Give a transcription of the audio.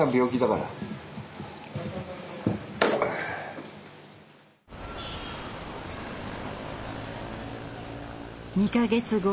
２か月後。